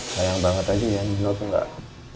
sayang banget aja ya nino tuh nggak